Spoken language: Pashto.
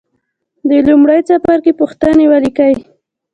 د لومړي څپرکي پوښتنې ولیکئ.